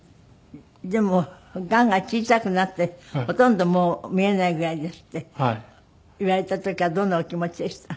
でもがんが小さくなって「ほとんどもう見えないぐらいです」って言われた時はどんなお気持ちでした？